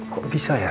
kok bisa ya